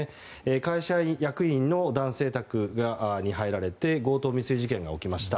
会社役員の男性宅に入られて強盗未遂事件が起きました。